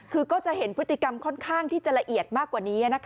คือก็จะเห็นพฤติกรรมค่อนข้างที่จะละเอียดมากกว่านี้